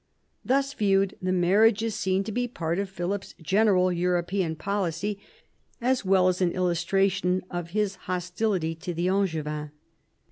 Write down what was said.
Thus viewed, the marriage is seen to be part of Philip's general European policy, as well as an illustration of his hostility to the Angevins.